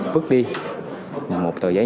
bức đi một tờ giấy